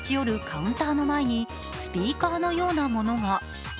カウンターの前にスピーカーのようなものが。